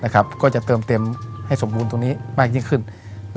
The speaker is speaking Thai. ก็จะเติมเต็มให้สมบูรณ์ตรงนี้มากยิ่งขึ้น